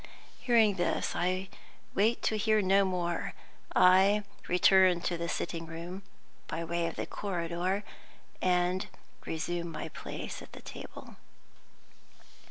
Hearing this, I wait to hear no more. I return to the sitting room (by way of the corridor) and resume my place at the table.